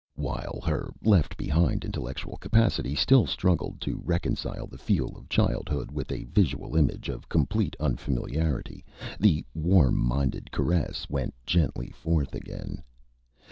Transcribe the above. While her left behind intellectual capacity still struggled to reconcile the feel of childhood with a visual image of complete unfamiliarity, the warm mind caress went gently forth again.